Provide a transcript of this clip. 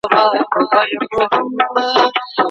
قاتل به يا قصاص سي، يا به عفو سي.